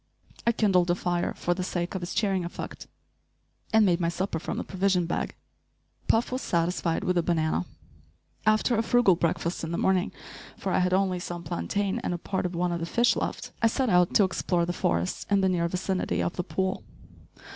I kindled a fire for the sake of its cheering effect, and made my supper from the provision bag. Puff was satisfied with a banana. After a frugal breakfast in the morning for I had only some plantain and a part of one of the fish left I set out to explore the forest in the near vicinity of the pool.